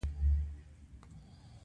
عملي ګامونو اخیستلو ته تیاری کوي.